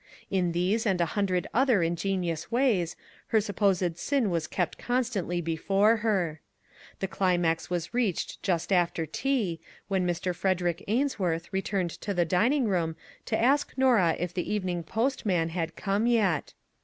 In these and a hundred other ingenious ways her supposed sin' was kept constantly before her. The climax was reached just after tea, when Mr. Frederick Ainsworth returned to the dining room to ask Norah if the evening postman had come yet.